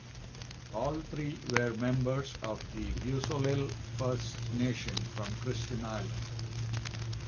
All three were members of the Beausoleil First Nation from Christian Island.